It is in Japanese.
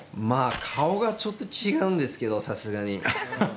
まぁ顔がちょっと違うんですけどさすがに。